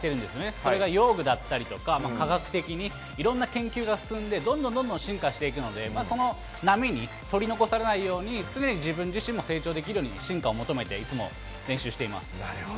それが用具だったりとか、科学的にいろんな研究が進んで、どんどんどんどん進化していくので、その波に取り残されないように、常に自分自身も成長できるように進化を求めて、いつも練習していなるほど。